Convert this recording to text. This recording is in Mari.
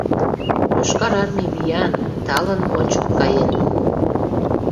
Йошкар армий виян, талын ончык каен.